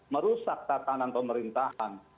merusak tatanan pemerintahan